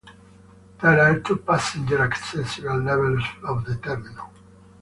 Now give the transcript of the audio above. There are two passenger accessible levels of the terminal.